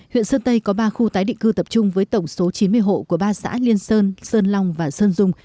huyện sơn tây có ba khu tái định cư tập trung với tổng số chín mươi hộ của ba xã liên sơn sơn long và sơn dung